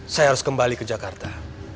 saya harus kembali ke jakarta